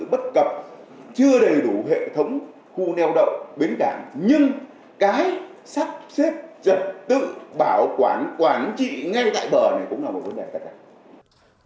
bất cập chưa đầy đủ hệ thống khu neo đậu bến cảng nhưng cái sắp xếp trật tự bảo quản quản trị ngay tại bờ này cũng là một vấn đề tất cả